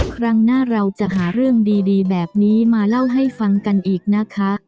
ครั้งหน้าเราจะหาเรื่องดีแบบนี้มาเล่าให้ฟังกันอีกนะคะ